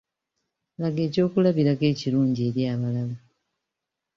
Laga ekyokulabirako Ekirungi eri abalala.